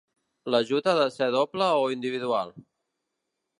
L'ajut ha de ser doble o individual?